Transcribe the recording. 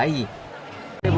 oh gitu mau apa